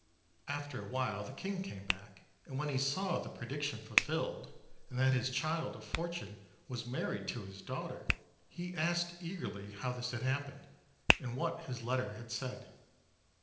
After awhile the king came back; and when he saw the prediction fulfilled, and that this child of fortune was married to his daughter, he asked eagerly how this had happened, and what his letter had said.